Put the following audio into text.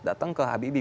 datang ke habibi